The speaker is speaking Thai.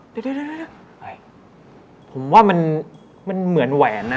เดี๋ยวนะผมว่ามันเหมือนแหวนนะ